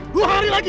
dua hari lagi